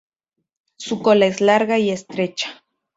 Su cola es larga y estrecha.